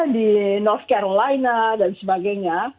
di north carolina dan sebagainya